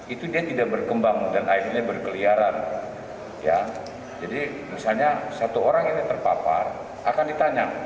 itu dia tidak berkembang dan akhirnya berkeliaran ya jadi misalnya satu orang ini terpapar akan ditanya